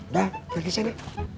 dah pergi sana